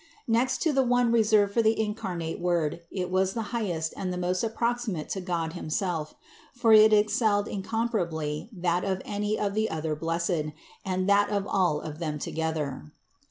Next to the one reserved for the incarnate Word, it was the highest and the most proximate to God himself; for it excelled incomparably that of any of the other blessed, and that of all of them together.